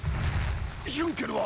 ヒュンケルは？